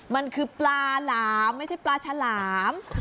มันคือปลาหลามไม่ใช่ปลาฉลาม